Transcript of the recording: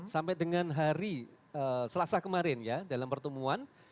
sampai dengan hari selasa kemarin ya dalam pertemuan